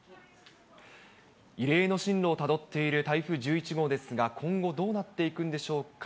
異例の進路をたどっている台風１１号ですが、今後、どうなっていくんでしょうか。